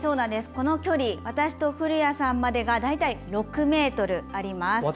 この距離私と古谷さんまでが大体６ｍあります。